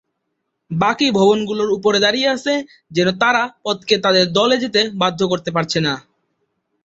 বাকি ভবনগুলো উপরে দাঁড়িয়ে আছে, যেন তারা পথকে তাদের দলে যেতে বাধ্য করতে পারছে না।